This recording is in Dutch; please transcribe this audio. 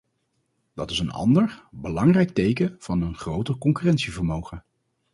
Dat is een ander, belangrijk teken van een groter concurrentievermogen.